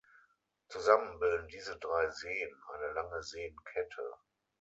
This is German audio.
Zusammen bilden diese drei Seen eine lange Seenkette.